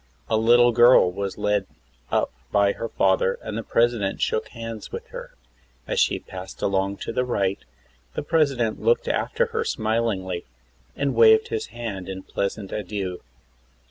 A httle girl was led up by her father and the President shook hands with her. As she passed along to the right the President looked after her smiHngly and waved his hand in a pleasant adieu.